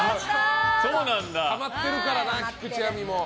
たまってるからな、菊地亜美も。